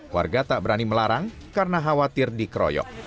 warga tak berani melarang karena khawatir dikeroyok